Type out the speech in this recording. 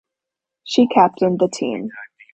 She captained the team.